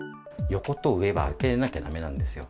横と上は空けなきゃだめなんですよ。